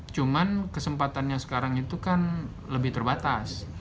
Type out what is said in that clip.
cuma kesempatannya sekarang itu kan lebih terbatas